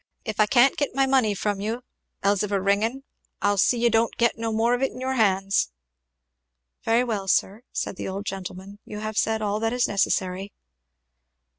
If I can't get my money from you, Elzevir Ringgan, I'll see you don't get no more of it in your hands." "Very well, sir," said the old gentleman; "You have said all that is necessary."